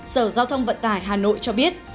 sở giao thông vận tải hà nội cho biết